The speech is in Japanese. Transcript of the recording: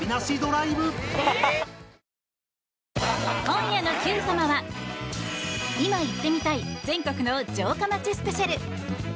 今夜の「Ｑさま！！」は今行ってみたい全国の城下町スペシャル。